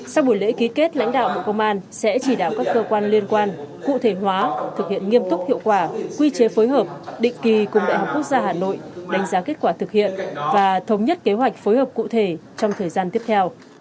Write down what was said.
sau buổi lễ ký kết lãnh đạo bộ công an sẽ chỉ đạo các cơ quan liên quan cụ thể hóa thực hiện nghiêm túc hiệu quả quy chế phối hợp định kỳ cùng đại học quốc gia hà nội đánh giá kết quả thực hiện và thống nhất kế hoạch phối hợp cụ thể trong thời gian tiếp theo